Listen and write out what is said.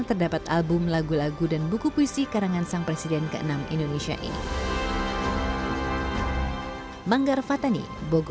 terdapat album lagu lagu dan buku puisi karangan sang presiden ke enam indonesia ini